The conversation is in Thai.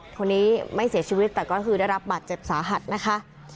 คนนี้ไม่เสียชีวิตแต่ก็คือได้รับบาดเจ็บสาหัสนะคะ